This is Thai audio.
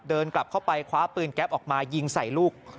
เดินกลับเข้าไปคว้าปืนแก๊ปออกมายิงใส่ลูก